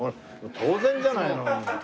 当然じゃないの。